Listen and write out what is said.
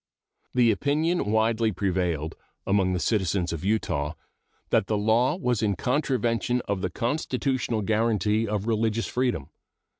The opinion widely prevailed among the citizens of Utah that the law was in contravention of the constitutional guaranty of religious freedom.